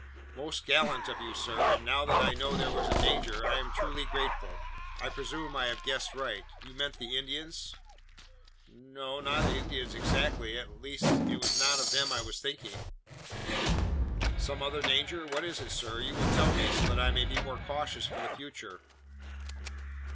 "Most gallant of you, sir; and now that I know there was danger, I am truly grateful. I presume I have guessed aright: you meant the Indians?" "No; not Indians exactly at least, it was not of them I was thinking." "Some other danger? What is it, sir? You will tell me, so that I may be more cautious for the future?"